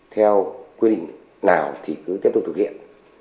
theo quy định nào thì cứ tiếp tục thực hiện